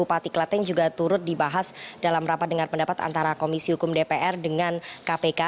bupati klaten juga turut dibahas dalam rapat dengar pendapat antara komisi hukum dpr dengan kpk